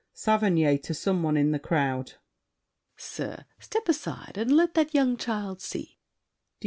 SAVERNY (to some one in the crowd). Sir, step aside and let that young child see!